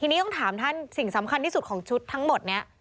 ทีนี้ต้องถามท่านสิ่งสำคัญที่สุดของชุดทั้งหมดนี้